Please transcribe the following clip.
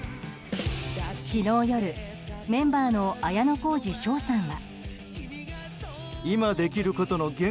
昨日夜、メンバーの綾小路翔さんは。